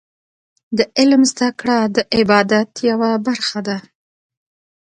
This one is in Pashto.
د علم زده کړه د عبادت یوه برخه ده.